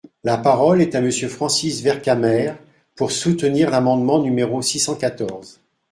La parole est à Monsieur Francis Vercamer, pour soutenir l’amendement numéro six cent quatorze.